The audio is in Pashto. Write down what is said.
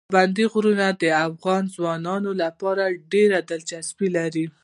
پابندي غرونه د افغان ځوانانو لپاره ډېره دلچسپي لري.